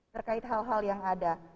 terkait hal hal yang ada